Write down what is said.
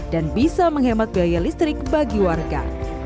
dan bisa menghemat biaya listrik bagi warga